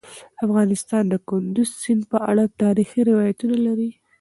افغانستان د کندز سیند په اړه تاریخي روایتونه لري.